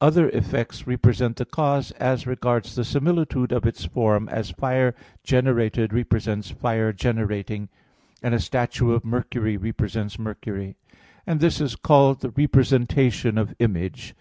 Other effects represent the cause as regards the similitude of its form, as fire generated represents fire generating; and a statue of Mercury represents Mercury; and this is called the representation of "image."